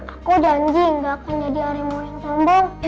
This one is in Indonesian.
aku janji gak akan jadi halimau yang sambung